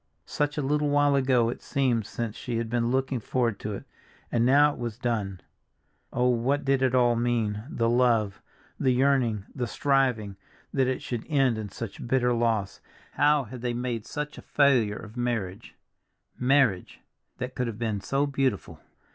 Such a little while ago it seemed since she had been looking forward to it, and now it was done. Oh, what did it all mean, the love, the yearning, the striving, that it should end in such bitter loss; how had they made such a failure of marriage—marriage, that could have been so beautiful!